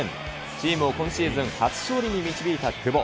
チームを今シーズン初勝利に導いた久保。